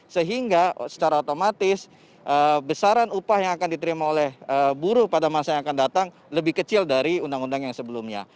sehingga secara otomatis besaran upah yang akan diterima oleh buruh pada masa yang akan datang lebih kecil dari undang undang yang sebelumnya